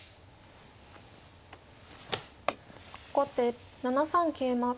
後手７三桂馬。